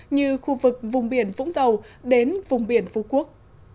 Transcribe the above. như khu vực vùng biển vũng tàu đến vùng biển phú quốc